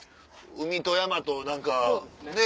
海と山と何かね